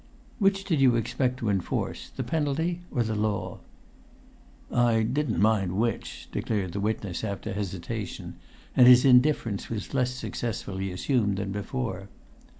'" "Which did you expect to enforce—the penalty or the law?" "I didn't mind which," declared the witness, after[Pg 172] hesitation; and his indifference was less successfully assumed than before.